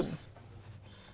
sisa dari proses tambangan